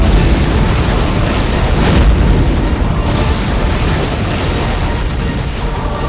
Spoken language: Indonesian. jangan menceramai ku